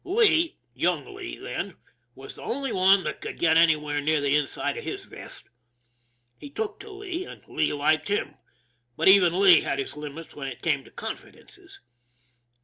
Lee, young Lee then, was the only one that could get anywhere near the inside of his vest. He took to Lee, and Lee liked him; but even Lee had his limits when it came to confidences.